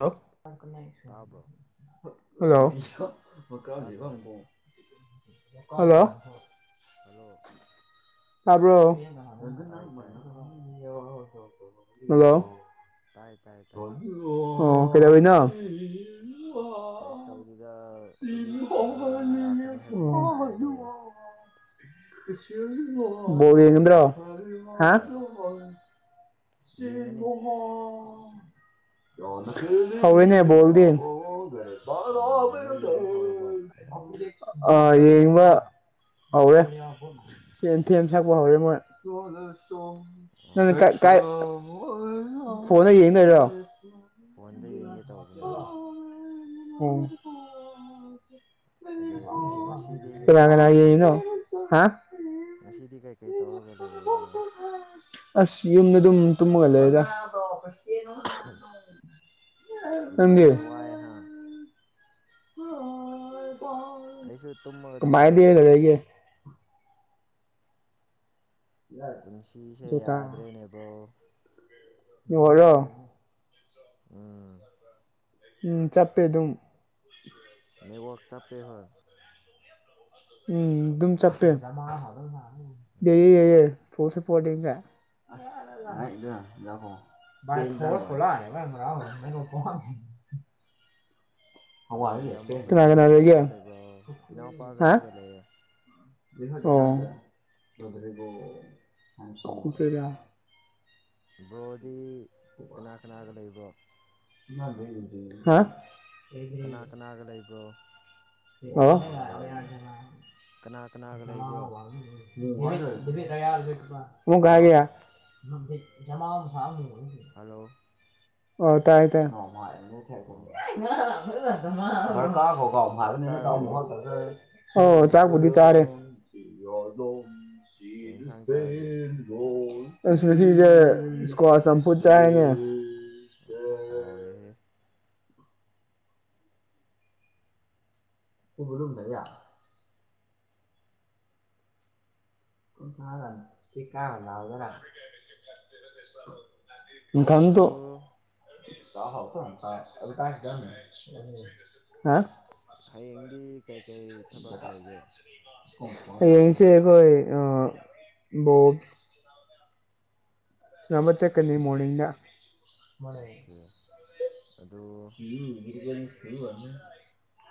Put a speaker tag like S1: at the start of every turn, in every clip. S1: ꯂꫭ
S2: ꯇꯥꯕ꯭ꯔꯣ ꯇꯥꯗ꯭ꯔꯣ
S1: ꯍꯂꯑꯣ꯫ ꯍꯜꯂꫭ꯫
S2: [inaudible]
S1: ꯇꯥꯕ꯭ꯔꯣ
S2: ꯇꯥꯏ ꯇꯥꯏ
S1: ꯍꯜꯂꯣ꯫
S2: ꯇꯥꯏ ꯇꯥꯏ ꯇꯥꯏ꯫
S1: ꯑꯣ ꯀꯩꯗꯩꯔꯤꯅꫭ꯫
S2: ꯀꯩꯁꯁ ꯇꯧꯗꯦꯗꯥ꯫
S1: ꯑꫭ꯫
S2: ꯍꯥꯏꯕꯒꯤ ꯉꯥꯏꯔ ꯂꯩꯌꯦ
S1: [inaudible] ꯕꫭꯜ
S2: ꯅꯣꯏꯗꯤ ꯉꯥꯏꯗ꯭ꯔꯣ
S1: ꯌꯦꯡꯗ꯭ꯔꫭ ꯍꯥ
S2: ꯍꯣꯏ ꯌꯦꯡꯒꯅꯤ
S1: [unintelligible] ꯍꯧꯔꯦꯅꯦ ꯕꫭꯜꯗꯤ꯫
S2: ꯑꯣ ꯅꯣꯏ
S1: [unintelligible]
S2: ꯌꯦꯡꯕ ꯍꯧꯔꯕꯣ
S1: ꯑ ꯌꯦꯡꯕ ꯍꯧꯋꯦ꯫ ꯑꯦꯟꯊꯦꯝ
S2: ꯑꯠꯆꯥ
S1: ꯁꯛꯄ ꯍꯧꯔꯦ ꯃꯣꯏ
S2: ꯑꯣ
S1: ꯅꯪꯅ ꯀꯥꯏ ꯀꯥꯏ ꯐꯣꯟꯗ ꯌꯦꯡꯗꯣꯏꯔꯣ꯫
S2: ꯐꯣꯟꯗ ꯌꯦꯡꯒꯦ ꯇꯧꯕꯅꯦ ꯍꯣꯏ
S1: [unintelligible]
S2: ꯑꯗꯣ ꯉꯁꯤꯗꯤ ꯀꯩꯀꯩ
S1: ꯀꯅꯥ-ꯀꯅꯥ
S2: ꯇꯧꯔꯒꯦ
S1: ꯌꯦꯡꯏꯅꫭ ꯍꯥ
S2: ꯉꯁꯤꯗꯤ ꯀꯩꯀꯩ ꯇꯧꯔꯒ ꯂꯩꯔꯕꫭ꯫
S1: ꯑꯁ ꯌꯨꯝꯗ ꯑꯗꯨꯝ ꯇꯨꯝꯃꯒ ꯂꯩꯔ
S2: ꯄꯨꯜꯟꯁꯤ ꯁꯦ ꯋꯥꯏ ꯍꯥꯏ ꯑꯩꯁꯨ ꯇꯨꯝꯃꯒ ꯑꯗꯨꯝ ꯂꯩꯌꯦꯗ
S1: ꯀꯃꯥꯏꯗꯤꯔ ꯂꯩꯔꯦ
S2: ꯄꯨꯟꯁꯤꯁꯦ ꯌꯥꯗ꯭ꯔꯦꯅꯦꯕ꯭ꯔꯣ
S1: ꯏ ꯑꯣꯏꯣ
S2: ꯎꯝ
S1: ꯎꯝ ꯆꯄꯦ ꯑꯗꯨꯝ
S2: ꯅꯦꯠꯋꯔꯛ ꯆꯥꯞꯄꯦ ꯍ
S1: ꯎꯝ ꯑꯗꯨꯝ ꯆꯄꯦ ꯄꯨꯁꯨ ꯄꯂꯤꯉ ꯏꯣ ꯐꯂ ꯍꯥꯏꯕ
S2: [unintelligible] [unintelligible] ꯑꯗ
S1: ꯀꯅꯥ
S2: ꯏꯌꯥꯝꯕꯣꯏꯗꯤ
S1: ꯀꯅꯥ
S2: ꯀꯩ ꯀꯩ
S1: ꯂꯩꯒꯦ
S2: ꯇꯧꯔ ꯂꯩꯕ꯭ꯔꯣ ꯏꯅꯥꯎꯄꯥꯒ ꯑꯩꯒ ꯂꯩꯌꯦ
S1: ꯣꯕꯨꯨꯇ
S2: ꯕ꯭ꯔꯣꯗꯤ ꯀꯅꯥ ꯀꯅꯥꯒ ꯂꯩꯕ꯭ꯔꯣ
S1: ꯍꯥ
S2: ꯀꯅꯥ ꯀꯅꯥꯒ ꯂꯩꯕ꯭ꯔꯣ ꯀꯅꯥ ꯀꯅꯥꯒ ꯂꯩꯕ꯭ꯔꯣ
S1: ꯑꯣ
S2: ꯍꯜꯂꯣ
S1: [unintelligible]
S2: ꯍꯜꯂꯣ
S1: ꯑꯣ ꯇꯥꯏ ꯇꯥꯏ
S2: ꯑꯣ
S1: ꯗꯔꯀꯥꯔ ꯍꯣꯒꯥꯎ
S2: ꯆꯥꯛ
S1: ꯍꯥꯏꯕꯅꯤꯅ ꯇ
S2: ꯆꯥꯔꯕꯣ
S1: ꯍꯠꯦ ꯑꯣ ꯆꯥꯕꯨꯗꯤ ꯆꯥꯔꯦ
S2: ꯀꯩ
S1: ꯆ
S2: ꯌꯦꯟꯁꯥꯡ ꯆꯥꯔꯒꯦ
S1: ꯁꯄꯦꯟ ꯔꯣꯜ ꯃꯤꯁꯤꯖꯦꯀꯣ ꯑ ꯁꯝꯄꯨ ꯆꯦꯒꯦ
S2: ꯑꯁꯔꯦ
S1: ꯎꯔ ꯀ ꯆ ꯀꯥꯏ ꯍꯂ ꯑꯖꯔ
S2: ꯑꯗꯨ
S1: ꯀ
S2: ꯍꯌꯦꯡꯗꯤ ꯀꯩꯀꯩ ꯊꯕꯛ ꯂꯩꯒꯦ
S1: ꯑꯁꯤ ꯀꯣꯏ ꯑ ꯣ ꯁꯅꯥ ꯑꯃ ꯆꯠꯀꯅꯤ ꯃꯣꯔꯅꯤꯡꯗ ꯃ ꯏ
S2: ꯑꯣꯀꯦ ꯑꯗꯨ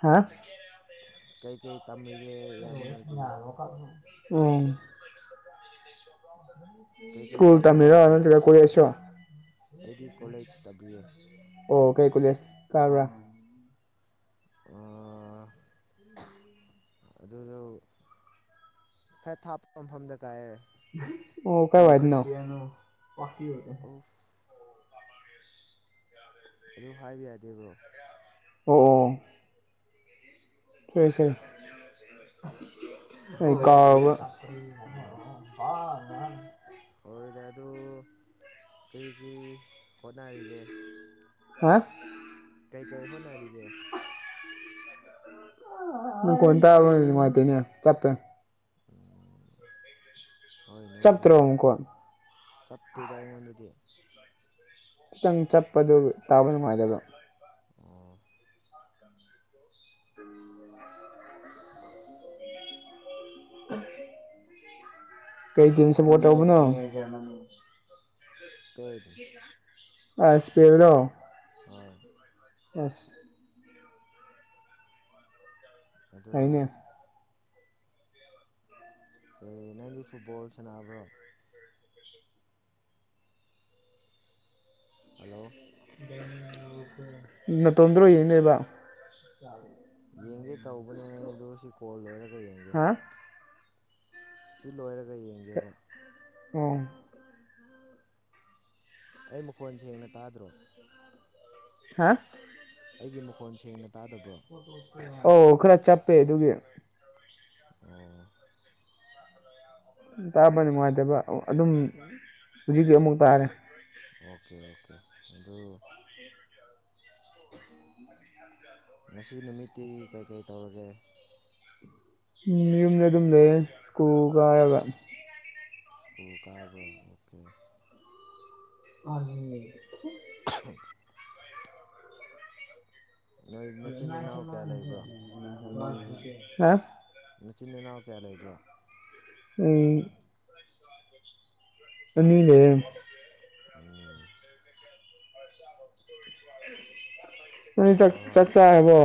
S1: ꯍꯥ
S2: ꯀꯩꯀꯩ ꯇꯝꯔꯤꯒꯦ ꯏꯌꯥꯝꯕꯗꯤ
S1: ꯍꯜꯂ ꯀ ꯎ ꯁꯀꯨꯜ ꯇ
S2: ꯒ ꯂꯩꯕ꯭ꯔꯥ ꯑꯩꯗꯤ ꯀꯣꯂꯦꯖ ꯇꯝꯕꯤꯌꯦ
S1: ꯑꯣ ꯀꯩ ꯀꯨꯂꯁ ꯀꯥꯕ꯭ꯔꯥ [unintelligible]
S2: ꯑꯗꯨꯗꯣ ꯈꯔ ꯊꯥꯞꯄ ꯃꯐꯝꯗ ꯀꯥꯏ
S1: ꯑꯣ ꯀꯥꯏ ꯋꯥꯗ ꯅ
S2: ꯑꯣꯐ ꯑꯗꯨ ꯍꯥꯏꯕ ꯌꯥꯗꯦꯕ꯭ꯔꯣ
S1: ꯑꯣ ꯑꯣ ꯍꯣꯏ ꯁꯔ ꯑꯩ ꯀꯥꯎꯕ
S2: ꯍꯣꯏꯗ ꯑꯗꯨ ꯀꯔꯤ ꯀꯔꯤ ꯍꯣꯠꯅꯔꯤꯒꯦ
S1: ꯍꯥ
S2: ꯀꯩ ꯀꯩ ꯍꯣꯠꯅꯔꯤꯒꯦ
S1: ꯀꯣꯟ ꯇꯥꯅꯨꯡ ꯃꯥꯇꯅꯦ ꯆꯠꯇꯄ
S2: ꯍꯣꯏꯅꯦꯉ
S1: ꯆꯞꯇ꯭ꯔꯣ
S2: ꯅꯨꯡꯉꯥꯏꯇꯦ
S1: ꯃꯈꯣꯟ
S2: ꯆꯞꯇꯦꯗ ꯑꯩꯉꯣꯟꯗꯗꯤ
S1: ꯈꯤꯇꯪ ꯆꯠꯄꯗꯨ ꯇꯥꯕ ꯅꯨꯡꯉꯥꯏꯗꯕ
S2: ꯑꯣ
S1: [unintelligible] [unintelligible] ꯀꯩ ꯇꯤꯝ ꯁꯄꯣꯔꯠ꯭ ꯇꯧꯕꯅꯣ
S2: ꯏꯁꯄꯦꯟ
S1: ꯑꯁ ꯁꯄꯦꯟꯂꯣ
S2: ꯍꯣꯏ
S1: ꯑꯁ
S2: ꯑꯗꯨ
S1: ꯑꯩꯅꯦ
S2: ꯀꯩ ꯅꯪꯗꯤ ꯐꯨꯠꯕꯣꯜ ꯁꯥꯟꯅꯕ꯭ꯔꯣ ꯍꯜꯂꯣ
S1: ꯅꯇꯣꯟꯝꯗ꯭ꯔꯣ ꯌꯦꯡꯅꯦꯕ
S2: ꯌꯦꯡꯒꯦ ꯇꯧꯕꯅꯦ ꯑꯗꯣ ꯁꯤ ꯀꯣꯜ ꯂꯣꯏꯔꯒ ꯌꯦꯡꯒꯦ
S1: ꯍꯥ
S2: ꯁꯤ ꯂꯣꯏꯔꯒ ꯌꯦꯡꯒꯦꯕ
S1: ꯑꯣ
S2: ꯑꯩ ꯃꯈꯣꯟ ꯁꯦꯡꯅ ꯇꯥꯗ꯭ꯔꯣ
S1: ꯍꯥ
S2: ꯑꯩꯒꯤ ꯃꯈꯣꯟ ꯁꯦꯡꯅꯗꯦ
S1: ꯑꯣ ꯈꯔ ꯆꯞꯄꯦ ꯑꯗꯨꯒꯤ
S2: ꯑꯣ
S1: ꯇꯥꯕ ꯅꯨꯡꯉꯥꯏꯇꯕ ꯑꯗꯨꯝ ꯍꯧꯖꯤꯛꯀꯤ ꯑꯃꯨꯛ ꯇꯥꯔꯦ
S2: ꯑꯣꯀꯦ ꯑꯣꯀꯦ ꯑꯗꯨ ꯉꯁꯤ ꯅꯨꯃꯤꯠꯇꯤ ꯀꯩꯀꯩ ꯇꯧꯔꯒꯦ
S1: ꯎꯝ ꯌꯨꯝꯗꯗꯨꯝ ꯂꯩꯇꯦ ꯁꯀꯨꯜ ꯀꯔꯒ
S2: ꯁ꯭ꯀꯨꯜ ꯀꯥꯕ꯭ꯔꯣ ꯑꯣꯀꯦ
S1: ꯑ
S2: [inaudible] ꯅꯣꯏ ꯅꯆꯤꯟ ꯏꯅꯥꯎ ꯀꯌꯥ ꯂꯩꯕ꯭ꯔꯣ
S1: ꯍꯥ
S2: ꯃꯆꯤꯟ ꯏꯅꯥꯎ ꯀꯌꯥ ꯂꯩꯕ꯭ꯔꯣ
S1: ꯑꯅꯤ ꯂꯩꯌꯦ
S2: ꯑꯅꯤ
S1: [unintelligible] ꯆꯥꯛ
S2: ꯑꯣ
S1: ꯆꯔꯕꯣ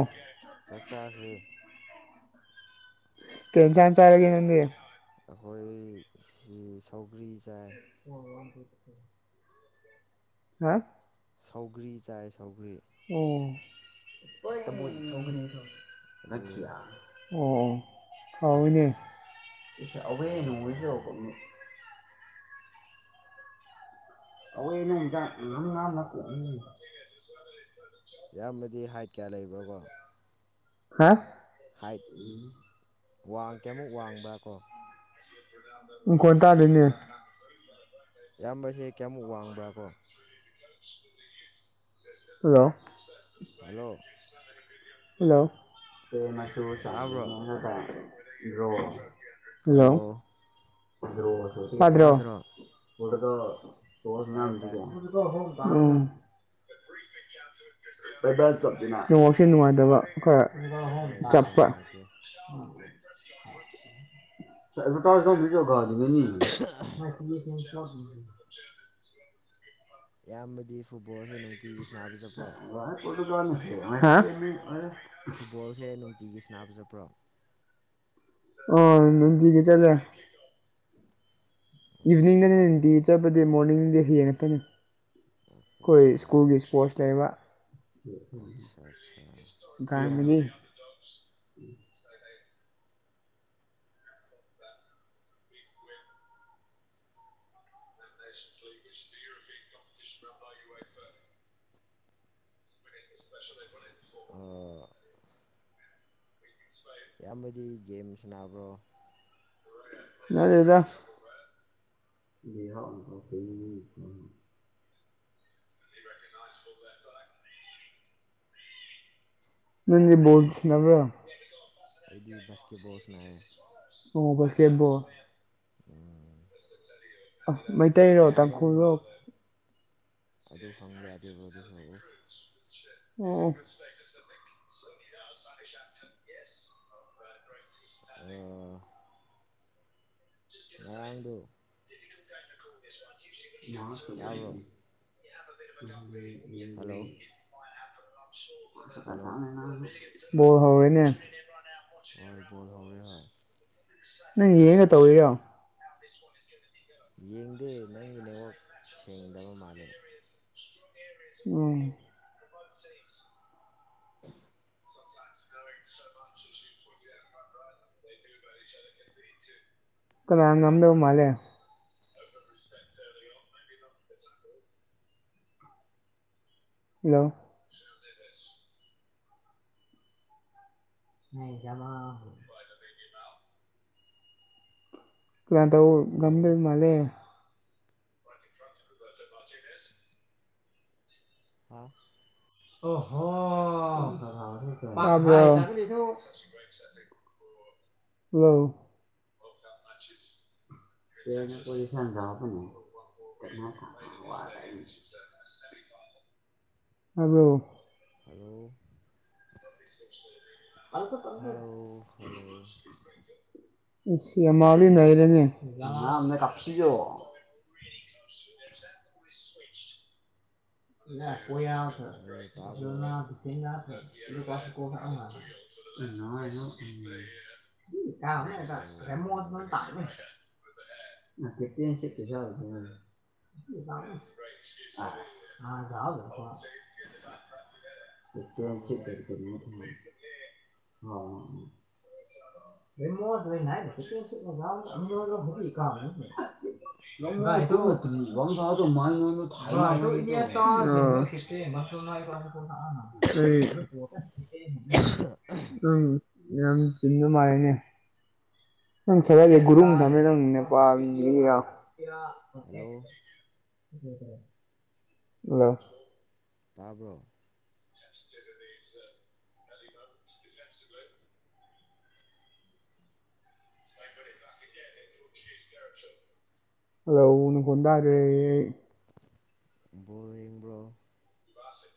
S2: ꯆꯥꯛ ꯆꯥꯈ꯭ꯔꯦ
S1: ꯀꯩ ꯑꯦꯟꯁꯡ ꯆꯔꯒ ꯅꯥꯡꯗꯤ
S2: ꯑꯩꯈꯣꯏ ꯁꯤ ꯁꯧꯒ꯭ꯔꯤ ꯆꯥꯏ
S1: ꯑꯣ ꯍꯥ
S2: ꯁꯧꯒ꯭ꯔꯤ ꯆꯥꯏ ꯁꯧꯒ꯭ꯔꯤ
S1: ꯑꯣ [unintelligible]
S2: ꯑꯗꯨ
S1: ꯑꯣ ꯑꯣ ꯊꯥꯎꯏꯅꯦ
S2: ꯍꯣꯏ ꯍꯣꯏ ꯍꯣꯏ
S1: [unintelligible] [unintelligible]
S2: ꯏꯌꯥꯝꯕꯗꯤ ꯍꯥꯏꯠ ꯀꯌꯥ ꯂꯩꯕ꯭ꯔꯀꯣ
S1: ꯍꯥ
S2: ꯋꯥꯡ ꯀꯌꯥꯃꯨꯛ ꯋꯥꯡꯕ꯭ꯔꯥ ꯀꯣ
S1: ꯎꯝ ꯃꯈꯣꯟ ꯇꯥꯗꯦꯅꯦ
S2: ꯏꯌꯥꯝꯕꯁꯦ ꯀꯌꯥꯃꯨꯛ ꯋꯥꯡꯕ꯭ꯔꯥ ꯀꯣ
S1: ꯍꯜꯂꯣ
S2: ꯍꯜꯂꯣ
S1: ꯍꯜꯂꯣ
S2: ꯇꯥꯕ꯭ꯔꯣ
S1: [unintelligible]
S2: ꯍꯜꯂꯣ
S1: ꯇ꯭ꯗꯔꯣ
S2: ꯇꯥꯗ꯭ꯔꯣ ꯇꯥꯏ ꯇꯥꯏ
S1: [unintelligible] ꯎꯝ ꯅꯦꯠꯋꯥꯛꯁꯦ ꯅꯨꯡꯉꯥꯏꯇꯕ
S2: ꯍꯣꯏ ꯅꯦꯠꯋꯥꯛ
S1: ꯆꯠꯄ
S2: ꯅꯨꯡꯉꯥꯏꯇꯦ
S1: [unintelligible] [inaudible]
S2: ꯏꯌꯥꯝꯕꯗꯤ ꯐꯨꯠꯕꯣꯜꯁꯦ ꯅꯨꯡꯇꯤꯒꯤ ꯁꯅꯥꯕ ꯆꯠꯄ꯭ꯔꯣ
S1: [unintelligible]
S2: ꯐꯨꯠꯕꯣꯜꯁꯦ ꯅꯨꯡꯇꯤꯒꯤ ꯁꯅꯥꯅꯕ ꯆꯠꯄ꯭ꯔꯣ
S1: ꯑꯣ ꯅꯨꯡꯇꯤꯒꯤ ꯆꯠꯂꯦ
S2: ꯑꯣꯀꯦ
S1: ꯏꯚꯤꯅꯤꯡꯗꯅꯤ ꯅꯨꯡꯇꯤ ꯆꯠꯄꯗꯤ ꯃꯣꯔꯅꯤꯡꯗꯗꯤ ꯍꯌꯦꯡ ꯉꯛꯇꯅꯤ ꯑꯩꯈꯣꯏ
S2: ꯑꯣ
S1: ꯁ꯭ꯀꯨꯜꯒꯤ ꯏꯁꯄꯣꯔꯠꯁ ꯂꯩꯕ
S2: ꯑꯠꯆꯥ ꯑꯠꯆꯥ
S1: ꯀꯅꯤ [unintelligible] [unintelligible]
S2: ꯑꯥ
S1: [inaudible]
S2: ꯏꯌꯥꯝꯕꯗꯤ ꯒꯦꯝ ꯁꯟꯅꯕ꯭ꯔꯣ
S1: ꯁꯥꯅꯗꯦꯗ ꯕꯤꯍꯥ ꯑꯃ [unintelligible] ꯅꯪꯗꯤ ꯕꯣꯜ ꯁꯅꯕꯔꯣ
S2: ꯑꯩꯗꯤ ꯕꯁꯀꯦꯠ ꯕꯣꯜ ꯁꯥꯅꯩ
S1: [unintelligible]
S2: [unintelligible]
S1: ꯃꯩꯇꯩꯔꯣ
S2: ꯁꯥꯟꯅꯕ
S1: ꯇꯥꯡꯈꯨꯜꯔꯣ
S2: ꯑꯗꯨ
S1: [unintelligible]
S2: [unintelligible]
S1: ꯑꯣ
S2: ꯑ
S1: ꯆꯁꯀꯤ ꯕꯁ
S2: ꯇꯥꯕ꯭ꯔꯣ ꯍꯜꯂꯣ ꯍꯜꯂꯣ
S1: [inaudible] ꯕꯣꯜ ꯍꯧꯔꯦꯅꯦ
S2: ꯍꯣꯏ ꯕꯣꯜ ꯍꯧꯔꯦ ꯍꯣꯏ
S1: ꯅꯪ ꯌꯦꯡꯒ ꯇꯧꯔꯣ
S2: ꯌꯦꯡꯗꯦ ꯅꯪꯒꯤ ꯅꯦꯋꯥꯛ ꯁꯦꯡꯗꯕ ꯃꯥꯜꯂꯦꯗ
S1: ꯑ
S2: [inaudible]
S1: ꯀꯅꯥꯥ ꯉꯝꯗꯧ ꯃꯥꯂꯦ ꯍꯂꯣ [unintelligible] ꯨꯔꯥꯟꯗꯎ
S2: ꯍꯜꯂꯣ
S1: ꯒꯝꯂ ꯃꯥꯂꯦ [unintelligible]
S2: ꯑ
S1: ꯑꯣ ꯍꯣ [unintelligible]
S2: [inaudible]
S1: ꯍꯂꯣ [unintelligible] [unintelligible] ꯑꯗꯣ
S2: ꯍꯜꯂꯣ ꯍꯜꯂꯣ ꯍꯜꯂꯣ
S1: [unintelligible] ꯁꯃꯂꯤ ꯑꯔ ꯀ
S2: [inaudible]
S1: ꯑ ꯀꯣꯏ ꯌꯥ ꯀꯇ
S2: ꯍꯜꯂꯣ
S1: [unintelligible]
S2: ꯇꯥꯕ꯭ꯔꯣ
S1: ꯎ
S2: ꯇꯥꯗꯕ꯭ꯔꯣ
S1: ꯇꯃꯦꯣ
S2: ꯍꯜꯂꯣ
S1: ꯇꯥꯏꯃꯦ ꯑ ꯀꯠꯇ ꯁꯤꯦꯠꯇꯁ ꯑꯥ ꯥꯎꯕ
S2: ꯇꯥꯕ꯭ꯔꯣ
S1: ꯂꯄꯣ ꯀꯔ ꯎꯝ ꯃ ꯑꯗ ꯀ ꯁꯗ ꯃꯥꯥꯡ ꯊ [inaudible] ꯎꯝ ꯌꯥꯝ ꯆꯤꯟꯗꯨ ꯃꯥꯥꯏꯅꯦ ꯅꯪ ꯁꯒ ꯒꯨꯔꯨ ꯊꯃꯦꯄꯥ
S2: ꯍꯜꯂꯣ
S1: ꯂ
S2: ꯇꯥꯕꯣ
S1: ꯎ ꯑꯣ ꯎꯅꯗꯥꯥꯔ
S2: ꯣ꯭ꯔꯣ
S1: ꯁꯦ